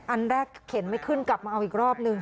อันแรกเข็นไม่ขึ้นกลับมาเอาอีกรอบนึง